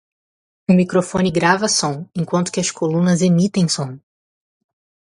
O microfone grava som, enquanto que as colunas emitem som.